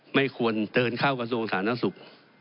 ไม่ควรเตินเข้ากับส่วนสถานศักดิ์สุข